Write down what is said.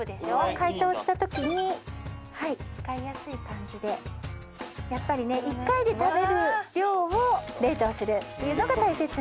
解凍したときに使いやすい感じでやっぱりね１回で食べる量を冷凍するっていうのが大切になります